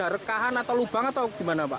rekahan atau lubang atau gimana pak